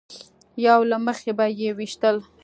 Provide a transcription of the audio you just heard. یو له مخې به یې ویشتل.